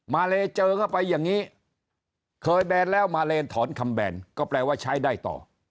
เลเจอเข้าไปอย่างนี้เคยแบนแล้วมาเลนถอนคำแบนก็แปลว่าใช้ได้ต่อ